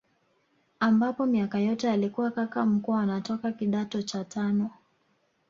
Ambapo miaka yote alikuwa kaka mkuu anatoka kidato cha tano